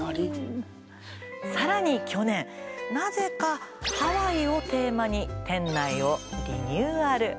更に去年なぜかハワイをテーマに店内をリニューアル。